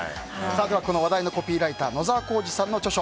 話題のコピーライター野澤幸司さんの著書